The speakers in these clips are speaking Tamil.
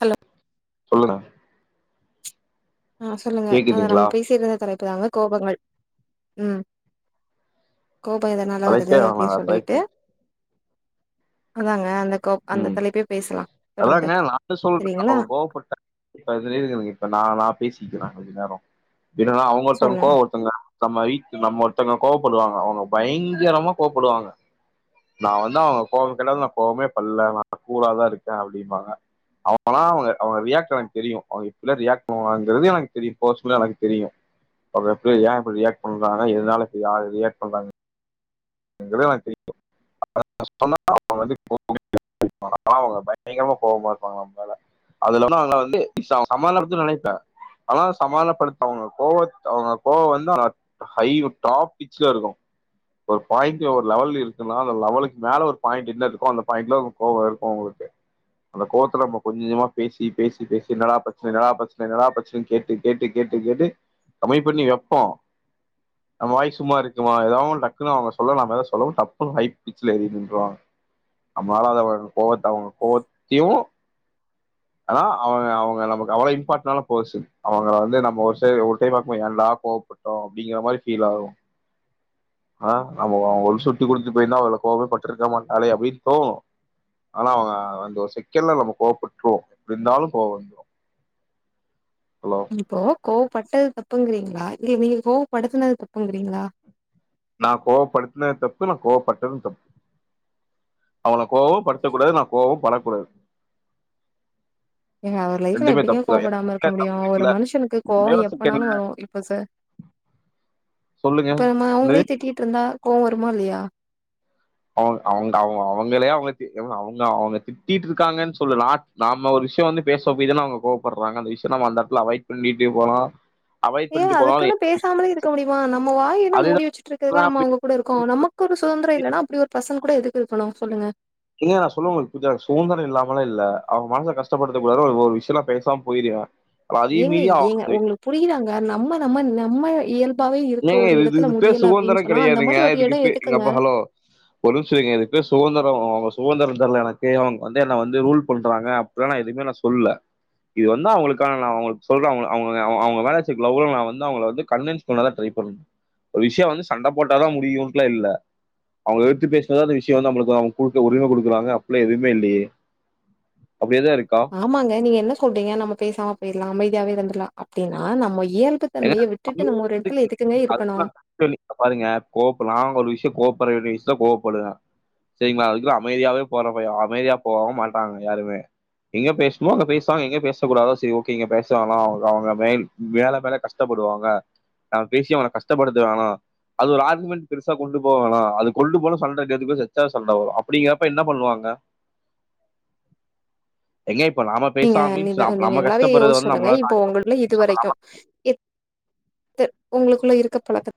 ஹலோ சொல்லுங்க ஆஹ் சொல்லுங்க அத நம்ம கேக்குதுங்களா பேசி இருந்த தலை அப்பதாங்க கோபங்கள் உம் கோபம் எதனால வருது தலைப்பே அப்படின்னு வேணாங்க சொல்லிட்டு தலைப்பு அதாங்க அந்த கோ அந்த உம் தலைப்பே பேசலா தொடர்ந்து அதாங்க நானும் சொல்றேன் சரிங்களா அவங்க கோவப்பட்டன் இப்பது இருக்குங்க இப்ப நான் நா பேசிக்கிறாங்க கொஞ்ச நேரம் வேனன்னா அவங்க ஒருத்தங்க சொல்லுங்க கோவ ஒருத்தங்க நம்ம வீட்டு நம்ம ஒருத்தவங்க கோவப்படுவாங்க அவங்க பயங்கரமா கோவப்படுவாங்க நான் வந்து அவங்க கோவம் கட்டது நான் கோபமே பல்ல நான் கூலா தான் இருக்கேன் அப்படிம்பாங்க அவங்கல்லாம் அவங்க அவங்க ரியாக்ட்க்கு தெரியும் அவங்க இப்படியாம் ரியாக்ட் பண்ணுவாங்கிறது எனக்கு தெரியும் பாசிட்டிவல எனக்கு தெரியும் அவங்க ஏன்ப்படி ரியாக்ட் பண்றாங்க எனால யா ரியாக்ட் பண்றாங்க என தெரியும் சொன்னா அவங்க வ கோ அவங்க பயங்கரமா கோவமா இருப்பாங்க நம்மளால அதுல அவ வந்து சமாளப்படுத்தனு நினைப்பேன் ஆனா சமாளப்படுத்தவங்க கோவ அவங்க கோவம் வந்து ஹை டாப் பிச்ல இருக்கும் ஒரு பாயிண்ட் ஒரு லெவல்ல இருக்குலா அந்த லெவலுக்கு மேல ஒரு பாயிண்ட் என்ன இருக்கும் அந்த பாயிண்ட்ல கோவம் இருக்கும் உங்களுக்கு அந்த கோவத்துல நம்ம கொஞ்சமா பேசி பேசி பேசி என்னடா பிரச்சனை என்னடா பிரச்சனை என்னடா பிரச்சனைனு கேட்டு கேட்டு கேட்டு கம்மி பண்ணி வைப்போம் நம்ம வாய் சும்மா இருக்குமா ஏதாவ அவங்க சொல்ல நம்ம சொல்லோம் தப்புன்னு ஹை பிச்சல ஏறி நின்டுருவாங்க நம்னால அத கோவத்தை அவங்க கோவத்தையும் ஆனா அவங்க அவங்க நமக்கு அவ்வளவு இம்பார்டன்னான பேர்சன் அவங்க வந்து நம்ம ஒரு ஒரு டைம் என்டா கோவப்பட்டோம் அப்படிங்கிற மாதிரி ஃபீல் ஆகும் ஆஹா நம்ம அவங்க சுட்டி கொடுத்துட்டு போயிருந்தா அவல கோவப்பட்டிருக்க மாட்டாலே அப்படின்னு தோணும் ஆனா அவங்க வந்து ஒரு செகண்ட்ல நம்ம கோவப்ப போ இருந்தாலு கோவம் வரும் இப்போ கோ பட்டது தப்புங்கிறீங்களா இ நீங்க கோவப்படுத்துனது தப்புங்கிறீங்களா நான் கோவப்படுத்தினது தப்பு நான் கோவப்பட்டது தப்பு அவள கோபம் படுத்தக்க கூடாது நான் கோபம் படக்கூடாது ஏங்க அவர் லைஃப்ல ரெண்டுமே எப்படிங்க தப்பு கோவப்படாம இருக்க தான் முடியும் தப்பு ஒரு இருக்குல்ல மனுஷனுக்கு ஒரே கோவம் ஒரு எப்பனாலும் செகண்ட்ல வரும் இப்ப சார் சொல்லுங்க இப்ப நம் என்னது அவங்களே திட்டிட்டு இருந்தா கோ வருமால்லையா அவங்க அவங்க அவங்க அவங்களையே அவங்க அவங்க அவங்க திட்டிட்டு இருக்காங்கன்னு சொல்லு நான் நாம ஒரு விஷயம் வந்து பேச போய் தானே அவங்க கோவப்படுறாங்க அந்த விஷயம் நம்ம அந்த இடத்துல அவாய்ட் பண்ணிட்டு போலா ஏ அதுக்குன்னு பேசாமலே இருக்க முடியுமா நம்ம வாயனாம் அதுதான் மூடி வச்சிட்டு இருக்க நான் நம்ம பே- அவங்க கூட இருக்கோ நமக்கு ஒரு சுதந்திரம் இல்லன்னா அப்படி ஒரு பசங்க கூட எதுக்கு இருக்கணும் சொல்லுங்க இல்ல நான் சொல்லவர்றதுஉஙகளுக்கு புரியுதா சுதந்திரம் இல்லாமலா இல்ல அவங்க மனசை கஷ்டப்படுத்த கூடாது ஒரு ஒரு விஷ்யலாம் பேசாம போயிருவேன் அதே ஏங்க மீறி அவன் ஏங்க அந்த விஷயம்- உங்களுக்கு புரியிதாங்க நம்ம நம்ம நம்ம இயல்பு என்னங்க இது இது பே சுதந்திரம் அந்த கிடையாதுங்க மாரி ஒரு இதுக்கு இடம் பே எதுக்குங்க? எங்கப்ப ஹலோ ஒரு நிமிஷம் இரிங்க இதுக்கு பேர் சுகதந்திரம் அவ சுதந்திர தர்ல எனக்கு அவங்க வந்து என்ன வந்து ரூல் பண்றாங்க அப்பல்லா நா எதுவுமே நா சொல்ல இது வந்து அவங்களுக்கானதா அவங்களுக்கு சொல்றே அவங்க அவங்க அவ அவங்க வேல சைட்ல ஊர்ல நா வந்து அவங்க வந்து கன்வின்ஸ் பண்ண தா ட்ரை பண்ணோ ஒரு விஷயோ வந்து சண்ட போட்டாதா முடியுன்டுல்லா இல்ல அவங்க எதுத்து பேசினாத அந்த விஷயொ நம்மளுக்கு குடுக்க உரிமை கொடுக்குறாங்க அப்பல்லா எதுவுமே இல்லையே அப்படியே தான் இருக்கா ஆமாங்க நீங்க என்ன சொல்றீங்க நம்ம பேசாம போயிட்லா அமைதியாவே இருந்த லா அப்டின்னா நம்ம இ ஏங்க [inaudible] இருக்கணும்? பாருங்க கோப்பலா அவுங்க ஒரு விஷயொ கோப் படகுறிய விஷ்துல்ல கோப படுங்க சரிங்களா அதுக்லா அமைதியாவே போரப்பயா அமைதியா போவோ மாட்டாங்க யாருமே எங்க பேச்னுமோ அங்க பேச்சா அங்க எங்க பேச கூடாதோ சிரி உகே இங்க பேச வேனா அவங்க மேல் மேலா தரயா கஷ்டப்படுவாங்க நாங் பேசி அவன கஷ்டப்படுத்த வேனா அது ஒரு ஆர்கியுமண்ட் பெருசா கொண்டு போ வேனா அது கொண்டு போனா சண்ட [unintelligible] சண்ட வரு அப்டிங்கறப்ப என்ன பண்ணுவாங்க என்னய நீங்க நீங்க நீங்க நல்லாவே யோச்சு வந்து சொல்லுங்க நம்மளால தாங்க- இப்போ உங்களுகுள்ள இது வரைக்கு எ து உங்களுக்குள்ள இருக்க பழக்கத்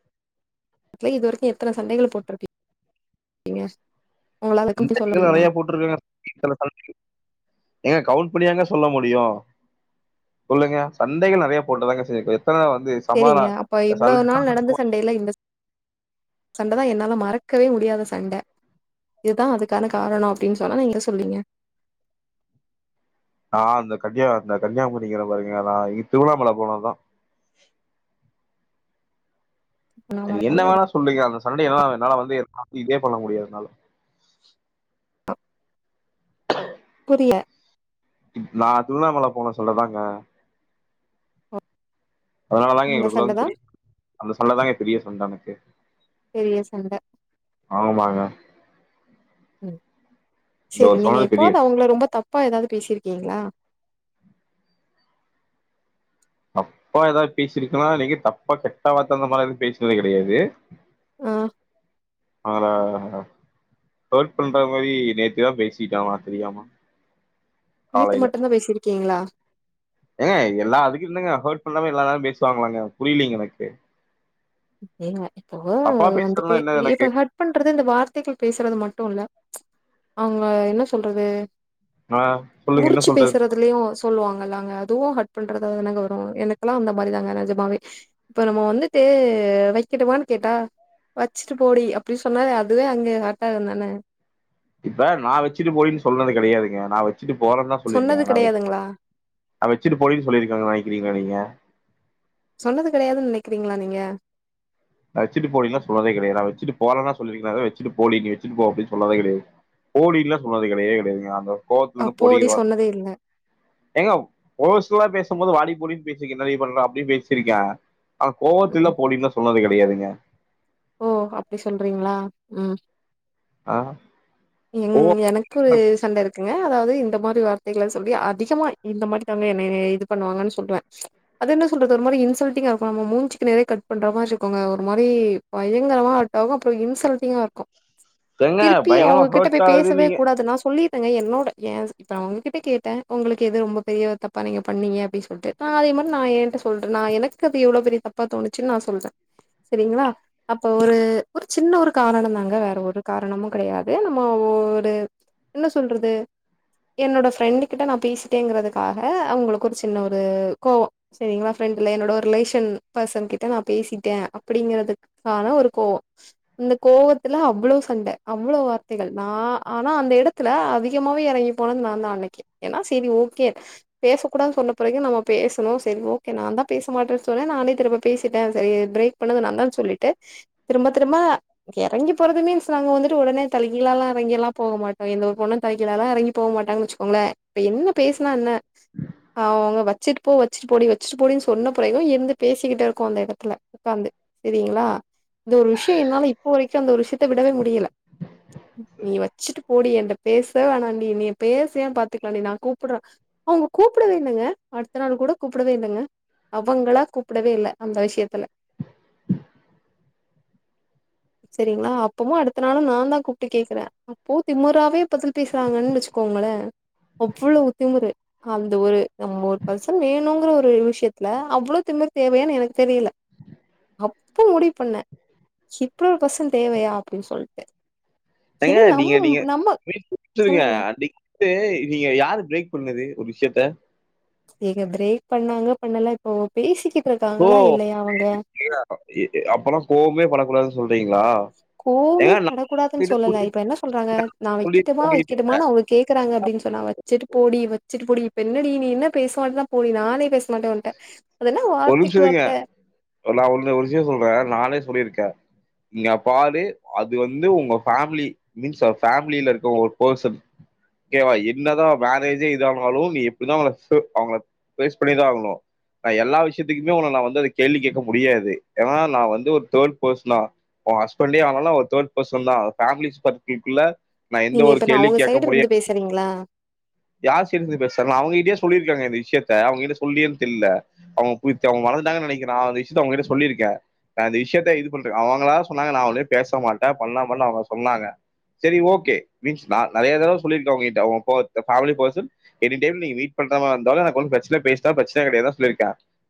துல இது வரைக்கு எத்தன சண்டைகள் போட்ருப்பீங்க இந்த வரைக்கோ நெறைய போட்டிருக்காங்க [inaudible] எங்க கவுண்ட் அப்டியாங்க சொல்ல முடியு சொல்லுங்க சண்டைகள் நெறைய போட்டதாங்க [unintelligible] சரிங்க அப்ப இவ்ளோ நாள் நடந்த சண்டைல்ல இந்தச் சண்டதா என்னால மறக்கவே முடியாத சண்ட இதுதா அதுக்கான காரணோ அப்டின்னு சொன்னா நீங்க எத சொல்வீங்க நா அந்த கன்னியா அந்த கன்னியாகுமரிங்கிற பாருங்க நா இ திருவண்ணாமல போனதா நான் அது என்ன மறக்க வேணா சொல்லுங்க அந்த சண்டேய என்னால என்னால வந்து அ இதே பண்ண முடியாது என்னால ஆ பிய நா திருவண்ணாமல போன சொல்லதாங்க அதனால தாங்க அந்த எங்களுக்குள்ள சண்ட அந்து தான் பிரி அந்த சண்ட தாங்க பிரியவே வந் தமக்கு பெரிய சண்ட ஆமாங்க ம் அந்த சரி ஒரு நீங்க சண்ட இப்போ பெரிய ஆவது அவங்கள ரொம்ப தப்பா ஏதாவது பேசிருக்கீங்களா தப்பா ஏதா பேசிருக்கேனா இல்ல தப்பா கெட்ட வார்த்த அந்த மாதிரி பேசுனது கெடையாது ஆஹ் அவல ஹட் பண்ற மாரி நேத்துதா பேசிட்டாம தெரியரியாமா நேத்து மட்டம்தா பேசியிருக்கீங்களா ஏங்க எல்லா அதுக்கு இருந்தங்க ஹாட் பண்றாம எல்லா நாளு பேசுவாங்கலாங்க புரியலீங்க எனக்கு ஏங்க தப்பா [unintelligible] வந்துட்டு பேசுறதுனா என்ன எனக்கு இப்ப ஹட் பண்றது இந்த வார்த்தைகள் பேசுறது மட் டுல்ல அவங்க என்ன சொல்றது ஆ சொல்லுங்க என்ன முறிச்சு சொல்றது பேசுறதுலயு சொல்லுவாங்கள்லங்க அதுவு ஹட் பண்றதுலதானங்க வரு எனக்கெல்லா அந்த மாரி தாங்க நெஜமாவே இப்ப நம்ம வந்துட்டு வைக்கட்டுமான்னு கேட்டா வச்சுட்டு போடி அப்டின்னு சொன்னா அதுவே அங்க ஹட் ஆகுறதானே இப்ப நா வெச்சுட்டு போடின்னு சொன்னது கெடையாதுங்க நா வ வெச்சிட்டு போறேன் தா சொல்லியிருக்கே சொன்னது ஆனா கெடையாதுங்களா நா வச்சுட்டு போடி சொல்லிருக்கேங்க நெனக்கிறீங்களா நீங்க சொன்னது கெடையாதுன்னு நெனைக்கிறீங்களா நீங்க நா வச்சுட்டு போலன்ன சொன்னதே கெடையது நா வச்சுட்டு போகலன்னா சொல்லிருே அத வச்சுட்டு போல நீ வச்சுட்டு போக அப்படனு சொன்னதே கெடையாதுலன்னல சொன்னது கெடைய கையாதுங்க அந்த கோவத்துல இருந்து அப்போடி பொடிக்க சொன்னதே [unintelligible] எங்க ஒசலாம் பேச போது வாடி போடின்னு பேசிக்கே நெறைய பண்றன் அப்டின் பேசிருக்கே அஹ் இல்ல கோவத்துல போடின்னுதா சொன்னது அடியாதீங்க ஓ அப்படி சொல்றீங்களா உம் ஆ எங் கோ எனக்கு சண்ட இருக்கு ங்க அதாவது இந்த மாதி வார்த்தை சொல்லி அதிகமா இந்த மாரிதாங்க என்ன இது பண்ணுவாங்கன்னு சொல்றே அது என்ன சொல்றது ஒரு மாரி இன்சல்ட்ங்கா உ மூஞ்சிக்கு நேர கட் பண்ற மாரி இருக்குங்க ஒரு மாரி பயங்கரமா விட்டாங்க அப்பற இன்சல்ட்டிங்கா இருக்கு ஏங்க திருப்பி பயங்கரமா அவங்ககிட்ட ஹர்ட் போய் ஆகுது பேசவே நீங்க கூடாது நா சொல்லி ங்க என்னோட ஏ இப்ப ஒங்ககிட்ட கேட்டே உங்களுக்கு எது ரொம்ப பெரிய தப்பா நீங்க பண்ணீங்க அப்டின்னு சொல்லிட்டு நா அதே மாரி நா ஏன்ட்ட சொல்றே நா எனக்கு அது எவ்வளவு பெரிய தப்பா தோணுச்சுன்னு நா சொல்றே சரிங்களா அப்போ ஒரு ஒரு சின்ன ஒரு காரண தாங்க வேற ஒரு காரணமு கெடையாது நம்ம ஒரு என்ன சொல்றது என்னோட ஃப்ரெண்டு கிட்ட நா பேசிட்டேங்கிறதுக்காக அவங்களுக்கு ஒரு சின்ன ஒரு கோவ சரிங்களா ஃப்ரெண்ட் இல என்னோட ஒரு ரிலேஷன் பர்சன் கிட்ட நா பேசிட்டே அப்படிங்கறது ஆனா ஒரு கோவ அந்த கோவத்துல அவ்வள சண்டை அவ்வளோ வார்த்தைகள் நா ஆனா அந்த எடத்துல அதிகமாவே இறங்கி போனது நாந்தா அன்னக்கே ஏன்னா சரி ஓகே பேச கூடான்னு சொன்ன பிறக்கு நம்ம பேசணு சரி ஓகே நாந்தா பேச மாட்டேன்னு சொன்னே நானே திரும்ப்ப பேசிட்டேன் சரி பிரேக் பண்ணது நாந்தா சொல்லிட் திரும்ப திரும்ப இறங்கி போறது மீன்ஸ் நாங்க வந்துட்டு உடனே தலிகீழலாலா எறங்க எல்லா போக மாட்டோ எந்த ஒரு பொண்ணு தலகீழலாலா எறங்கி போக மாட்டாங்கு வச்சுக்கோங்களே இப்ப என்ன பேசனா என்ன அவங்க வச்சுட்டு போ வச்சுட்டு போ வச்சுட்டு போடினு சொன்ன பெறகு இருந்து பேசிக்கிட்டே இருக்கு அந்த எடத்துல உட்காந்து சரிங்களா இந்த ஒரு விஷயம் என்னாலு இப்போ வரைக்கு அந்த ஒரு விஷயத்த விடவே முடியலை நீ வச்சுட்டு போடி எண்ட பேச வேணாம்ண்டி நீ பேசுன பாத்துக்கலாம்ண்டி நா கூப்படறே அவங்க கூப்டவே இல்லைங்க அடுத்த நாள் கூட கூப்டவே இல்லைங்க அவங்களா கூப்டவே இல்ல அந்த விஷயத்துல சரிங்களா அப்பவும் அடுத்த நாளு நா தா கூப்ட்டு கேக்குறே அப்போ திமுறாவே பதில் பேசுறாங்கன்னு வச்சுக்கோங்களே அவ்வளவு திமுரு அந்த ஒரு நம்ம ஒரு பர்சன் வேணுங்கிற ஒரு விஷயத்துல அவ்வள திமுறு தேவையான்னு எனக்கு தெரியல அப் இப்ப முடிவு பண்ணே இப்டி ஒரு பசன் தேவையா அப்படின்னு சொல்லிட்டு ஏ நீங்க நீங்க [unintelligible] சொல்லுங்க அ நீங்க யாரு பிரேக் சொன்னது ஒரு விஷயத்த ஏங்க பிரேக் பண்ணாங்க பண்ணலா இப்போ பேசிக்கிட் ஓ ஏ அப்பல்லா போமே படக்கூடாது சொல்றீங்ளா கோவமே படக் கூடாதுன் சொல்லலா இப்ப என்ன சொல்றாங்க நா சொல்லி வெக்கிட்டுமா உங்ககிட்ட வெக்கட்டுமானு அவுங்க கேக்குறாங்க அப்டின் சொன்னா வெச்சிட்டு போடி வெச்சிட்டு போடி இப்பன்னடி நீ என்ன பேச மாட்னா போடி நானே பேசு ஒரு நிம்ஷோ இருங்க நா ஒன்னு ஒரு விஷ்யோ சொல்றே நானே சொல்லியிருக் கே இங்கப்பாடு அது வந்து உங்க ஃபேமிலி மீன்ஸ் ஃபேமிலில இருக்க ஒரு பர்சன் ஓகேவா என்னதா மேரேஜே இதனாலு நீ எப்டிதா அவுங்கள செ அவுங்கள ஃபேஸ் பண்ணிதா ஆகனு நா எல்லா விஷ்யத்க்குமே உன்ன நா வந்து அத கேள்வி கேக்க முடியாது ஏனா நா வந்து ஒரு தேர்ட் பர்ஸ்னா உன் ஹஸ்பண்டே ஆனாலு அவ தேர்ட் பர்சன்தா ஃபேமிலி ஸ்பர்க்ள்குள்ள நா எந்த நீங்க ஒரு இப்ப நா கேள்வி அவங்க கேக்க சைடு முடியு இருந்து பேசுறீங்களா யார் சைடு இருந்து பேசறனோ அவுங்கிட்டயே சொல்லியிருக்காங்க இந்த விஷ்யத்த அவுங்கிட்ட சொல்லியல் தில்ல அவுங் போய்ருச்சு அவுங் மறந்துட்டாங்கனு நெனக்கிற நா அந்த விஷ்யத்த அவுங்ககிட்ட சொல்லிருக்கே நா அந்த விஷ்யத்த இது பண்ற அவுங்களா சொன்னாங் நா ஒன்னுமே பேசமாட்ட பண்ணமா அவுங்க சொன்னாங்க செரி ஒகே மீன்ஸ் நா நெறயா தடவ சொல்லிருக்க அவுங்ககிட்ட உன் கோவத்த ஃபேமிலி பர்சன் எனிடைம் நீங்க மீட் பண்ற மாரிருந்தாலு எனக்கு ஒன்னு பிரச்சன ஃபேஸ்தா பிரச் சன கெடயாது அதா சொல்லிருக்க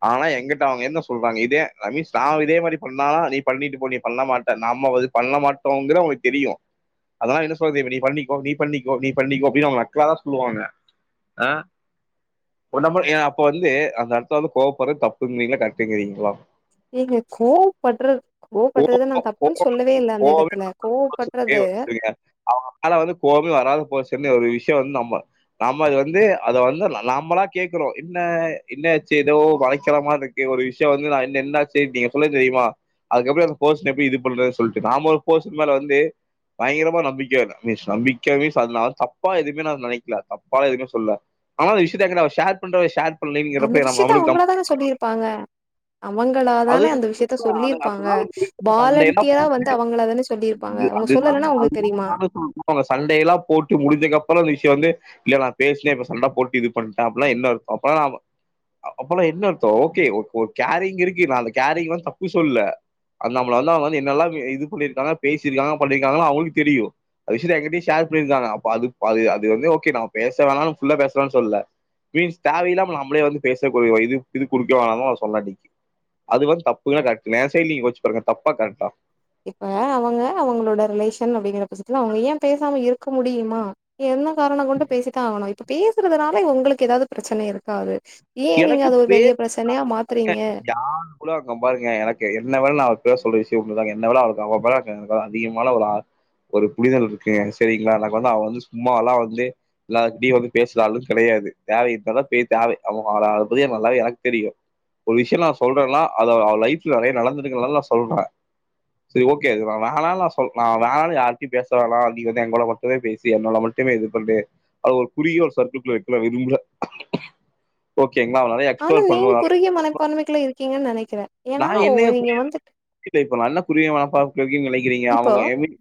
ஆனா எங்கிட்ட அவுங்க என்ன சொல்றாங்க இதே ஐ மீன்ஸ் நா இதே மாரி பண்ணா நீ பண்ணீட்டுப் போ நீ பண்ண மாட்ட நம்மோ இது பண்ண மாட்டோங்ற அவுங்களுக் தெரியு அதனா என்ன சொல்து இப்ப நீ பண்ணீக்கோ நீ பண்ணீக்கோ நீ பண்ணீக்கோ அப்டினு அவுங்க நக்கலதா சொல்லுவாங்க அ உன்ன மா எ அப்போ வந்து அந்த எடத்ல வந்து கோவப்படறது தப்புன்றீங்ளா கரெக்ட்டுங்றீங்ளா ஏங்க கோவப்பட்றது கோவப்பட்றத நா கோவம் தப்புன் கோவம் சொல்லவே இல்ல அந்த கோவமே எடத்துல பர்சனுக்கே கோவப்பட்றது வந்துருங்க தெரிந்ச ஒரு விஷ்யோ வந்து நம்ம நாம் அது வந்து அத வந்து நாமளா கேக்கனு என்ன என்னாச்சு எதோ வளைச்சலமா இருக்கே ஒரு விஷ்யோ வந்து நா என்ன என்ன ஆச்சு நீங்க சொல்லிருந்திங்க தெரியுமா அதுக்கப்றோ அந்த போஷன் எப்டி இது பண்றது சொல்ட்டு நாம ஒரு போஷன்க்கு மேல வந்து பயங்கரமா நம்பிக்க வேண்டா மீன்ஸ் நம்பிக்க மீன்ஸ் அது நா வந்து தப்பா எதுமே நா நெனக்கல தப்பா எதுமே சொல்ல ஆனா அந்த விஷ்யத்த எங்கிட்ட அவ ஷேர் பண்ற விஷ் அந்த சொல்லீங்கப்றோ நம்ம விஷயத்த அவங்களுக்கு அவங்களா நம்அது தான சொல்லியிருப்பாங்க அவங்களா தான அந்த விஷயத்த சொல்லியிருப்பாங்க வாலண்டியரா வந்து அவங்களா தான சொல்லியிருப்பாங்க அவங்க சொல்லலன்னா உங்களுக்கு தெரியுமா [inaudible] சண்டை எல்லா போட்டு முடிஞ்சக்கப்றோ இந்த விஷ்யோ வந்து இல்ல நா பேஸ்னே இப்ப சண்ட போட்டு இது பண்ட்ட அப்ல்லா என்ன அர் அப்போ நாம அப்போல்லா என்ன அர்த்தோ ஓகே ஓ ஓரு கேரிங் இருக்கு நா அந்த கேரிங் வந்து தப்பு சொல்ல அந் நம்மள வந்து அவுங்க வந்து என்னெல்லா இது பண்ணிருக்காங்க பேசிருக்காங்க பண்ணிருக்காங்ளா அவுங்ளுக்கு தெரியு அது விஷ்யத்த என்கிட்டயே ஷேர் பண்ருக்காங்க அப்போ அது அது அது வந்து ஓகே நம்ம பேச வேணா ஃபுல்லா பேச வேணானு சொல்ல மீன்ஸ் தேவயில்லாம நம்ளே வந்து பேசக்கு இது இது குடுக்க வேனாமோ சொன்ன அன்னக்கி அது வந்து தப்புங்ளா கரெக்ட்டுங்ளா என் சைட்ல யோச்சு பாருங்க தப்பா கரெக்ட்டா இப்ப அவுங்க அவுங்களோட ரிலேஷன் அப்டிங்கற பச்சத்ல அவுங்க ஏ பேசாம இருக்க முடியுமா என்ன காரண கொண்டு பேசி தா ஆகணு இப்ப பேசுறதுனால உங்களுக்கு எதாது பிரச்சன இருக்காது ஏ நீங்க எனக்கு அது ஒரு பே பெரிய பிரச்சனையா மாத்துறீங்க [inaudible] யாரு கூட பாருங்க எனக்கு என்ன [unintelligible] நா [unintelligible] சொல்ல விஷ்யோ ஒன்னு தா என்ன வேணா இக்குட்டு [unintelligible] ஒரு ஒரு புரிதல் இருக்கு சேரிங்களா நாங்க வந்து அவ வந்து சும்மல்லா வந்து எல்லார்கிட்டயு வந்து பேசுற ஆளு கெடையாது தேவ இருந்தாதா போய் தேவ அவுங் அத பத்தி நல்லாவே எனக்கு தெரியு ஒரு விஷயோ நா சொல்றன்னா அத அவ லைஃப்ல நெறைய நடந்துருக்குனால நா சொல்றே சரி ஓகே அது நா வேணான் நா சொல் நா வேணான் யார்ட்டியு பேச வேணா நீ வந்து என் கூட மட்டுமே பேசி என்னோட மட்டுமே இது பண்ணு அது ஒரு குறுகிய ஒரு சர்க்கு குள்ள வைக்க நா விரும்ல ஆனா ஏன் குறுகிய மனப்பான்மைக்குள்ள இரு கீங்கன்னு நெனை நான் என்னைய [unintelligible] இப்ப நா என்ன குறுகிய மனப்பா இப்போ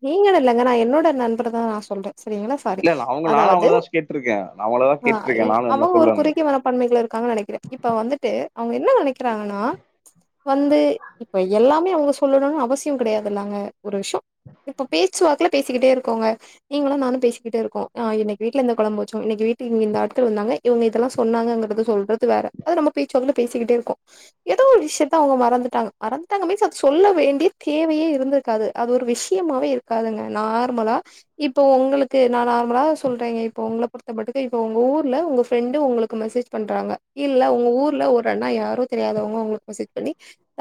நீங்கனு இல்லங்க நா என்னோட நண்பர தா நா சொல்றே செரிங்ளா சாரி இல்ல இல்ல அவங்க நானு அதாவது அவங்கள தா கேட்ருக்கே நா அவங்கள தா ஆ கேட்ருக்கே இ நானு என்ன அவங்க ஒரு சொல்லுவாங்க குறுகிய மனப்பான்மைக்குள்ள இருக்காங்க நெனைக்கிற இப்ப வந்துட்டு அவுங்க என்ன நெனைக்றாங்கன்னா வந்து இப்ப எல்லா மே அவுங்க சொல்லுணுனு அவசியோ கெடையாதுல்லங்க ஒரு விஷ்யோ இப்போ பேச்சுவாக்கல பேசிக்கிட்டே இருக்கோங்க நீங்களு நானு பேசிக்கிட்டே இருக்கோ ஆ இன்னைக்கு வீட்ல இந்த கொழம்பு வச்சோ இனைக்கு வீட்ல இந்த ஆட்கள் வந்தாங்க இவங்க இதெல்லா சொன்னாங்கறத சொல்றது வேற அது நம்ம பேச்சுவாக்கல பேசிக்கிட்டே இருக்கோ எதோ ஒரு விஷயத்த அவங்க மறந்துட்டாங்க மறந்துட்டாங்க மீன்ஸ் அது சொல்ல வேண்டிய தேவையே இருந்து காது அது ஒரு விஷ்யமாவே இருக்காதுங்க நார்மலா இப்ப உங்களுக்கு நா நார்மலா சொல்றேங்க இப்ப உங்கள பொறுத்தப்பட்டுக்கு இப்ப உங்க ஊர்ல உங்க ஃப்ரெண்டு உங்களுக்கு மெசேஜ் பண்றாங்க இல்ல உங்க ஊர்ல ஒரு அண்ணா யாரோ தெரியாதவங்க உங்களுக்கு மெசேஜ் பண்ணி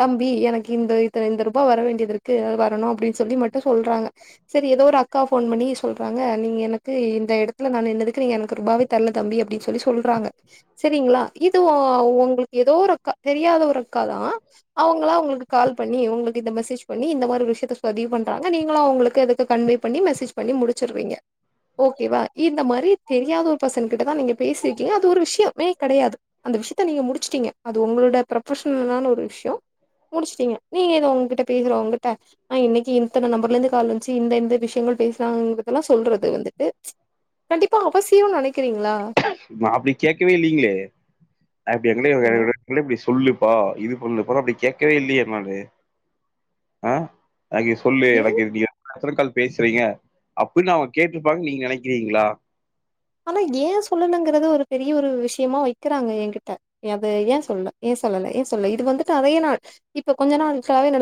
தம்பி எனக்கு இந்த இத்ன இந்த ரூபா வர வேண்டியதுருக்கு அது வர வரணு அப்டின் சொல்லி மட்டு சொல்றாங்க செரி எதோ ஒரு அக்கா ஃபோன் பண்ணி சொல்றாங்க நீங்க எனக்கு இந்த எடத்துல நா நின்னத்துக்கு நீங் எனக் ரூபாவே தர்ல தம்பி அப்டின் சொல்லி சொல்றாங்க செரிங்ளா இது ஓ ஒங்ளுக்கு எதோ ஒரு க்கா தெரியாத ஒரு அக்கா தா அவங்களா உங்ளுக்கு கால் பண்ணி உங்களுக்கு இந்த மெசேஜ் பண்ணி இந்த மாரி விஷ்ய தர் பதிவு பண்றாங்க நீங்களு அவுங்ளுக்கு அதுக்கு கன்வே பண்ணி மெசேஜ் பண்ணி முடிச்சுருவீங்க ஓகேவா இந்த மாரி தெரியாத ஒரு பர்சன்கிட்ட தா நீங்க பேசிரிக்கீங்க அது ஒரு விஷ்யமே கடையாது அந்த விஷ்யத்த நீங்க முடிச்சுட்டீங்க அது உங்களுட ப்ரொபஷனலான ஒரு விஷயம் முடிச்சுட்டீங்க நீங்க ஏதோ உங்க கிட்ட பேசுற உங்ககிட்ட ஆஹ் இன்னைக்கு இத்தனை நம்பர்ல இருந்து கால் வச்சு இந்தந்த விஷயங்கள் பேசுறாங்கறதெல்லா சொல்றது வந்துட்டு கண்டிப்பா அவசிய நெனைக்கிறீங்களா நா தெரிலயங்க நீங்க எல்லாத்துலயு பிசி சொல்லுப்பா இது பண்ணுப்பா அப்டி கேட்கவே இல்லையே நானு அஹ் எனக்கு சொல்லு ஏன் எனக்கு நீ [unintelligible] எத்தன கால் பேசுறீங்க அப்டின்னு அவங்க கேட்டிருப்பாங்க நீங்க நெனைக்கிறீங்களா ஆனா ஏ சொல்லணுங்கறத ஒரு பெரிய ஒரு விஷயமா வைக்கிறாங்க என்கிட்ட அது ஏன் சொல்ல ஏ சொல்லல ஏ சொல்ல இது வந்துட்டு அதே நாள் இப்ப கொஞ்ச நாள்காவே ந